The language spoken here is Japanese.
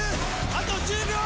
あと１０秒！